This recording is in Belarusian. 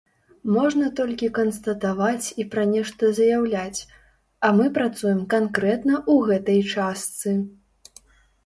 Можна толькі канстатаваць і пра нешта заяўляць, а мы працуем канкрэтна ў гэтай частцы!